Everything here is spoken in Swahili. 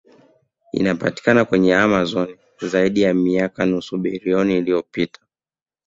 Inapatikana kwenye Amazon Zaidi ya miaka ya nusu bilioni iliyopita